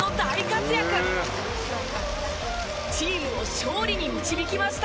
チームを勝利に導きました。